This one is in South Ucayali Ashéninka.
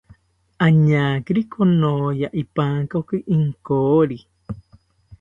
Añakiri konoya ipankoki inkori